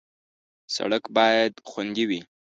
سړک باید خوندي وي.